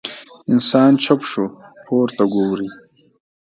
انسان چوپ شو، پورته ګوري.